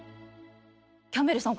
キャンベルさん